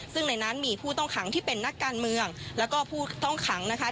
ซึ่งในนั้นมีผู้ต้องขังที่เป็นนักการเมืองแล้วก็ผู้ต้องขังนะคะ